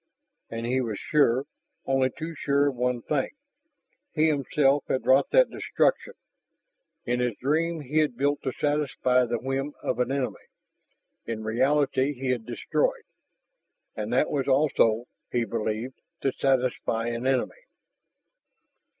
And he was sure, only too sure, of one thing. He, himself, had wrought that destruction. In his dream he had built to satisfy the whim of an enemy; in reality he had destroyed; and that was also, he believed, to satisfy an enemy.